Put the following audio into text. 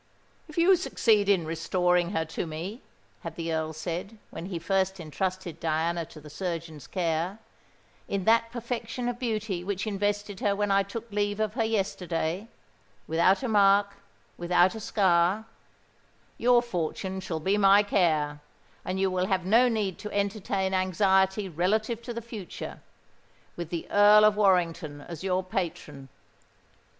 "If you succeed in restoring her to me," had the Earl said, when he first entrusted Diana to the surgeon's care, "_in that perfection of beauty which invested her when I took leave of her yesterday—without a mark, without a scar,—your fortune shall be my care, and you will have no need to entertain anxiety relative to the future, with the Earl of Warrington as your patron_."